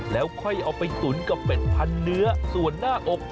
แล้วค่อยเอาไปตุ๋นกับเป็ดพันเนื้อส่วนหน้าอก